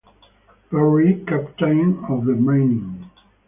Perry, Captain of the Manning.